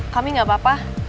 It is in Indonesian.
kami enggak apa apa